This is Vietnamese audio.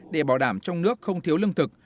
để bảo đảm trong nước không thiếu lương thực